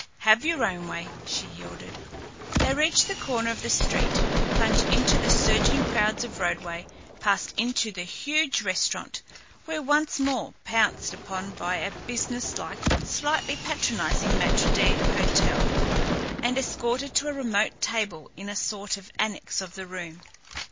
"Have your own way," she yielded. They reached the corner of the street, plunged into the surging crowds of Broadway, passed into the huge restaurant, were once more pounced upon by a businesslike but slightly patronizing maître d'hôtel, and escorted to a remote table in a sort of annex of the room.